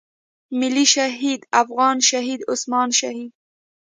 ملي شهيد افغان شهيد عثمان شهيد.